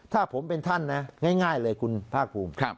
ถ้าผมเป็นท่านนะง่ายเลยคุณภาคภูมิ